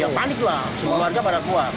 ya paniklah sebuah warga pada keluar